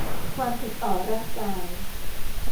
ความผิดต่อร่างกาย